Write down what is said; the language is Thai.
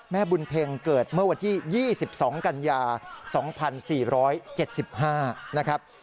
แม่บุญเพ็งเกิดเมื่อวันที่๒๒กันยา๒๔๗๕นะครับ